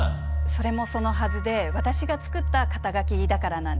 それもそのはずで私が作った肩書だからなんですね。